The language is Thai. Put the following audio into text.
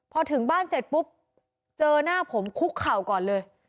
พอถึงบ้านเสร็จปุ๊บเจอหน้าผมคุกเข่าก่อนเลย